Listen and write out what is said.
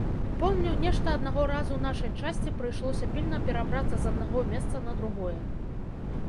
Помню, нешта аднаго разу нашай часці прыйшлося пільна перабрацца з аднаго месца на другое.